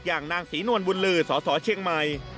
อย่างนางศรีนวลบุญลือสสเชียงใหม่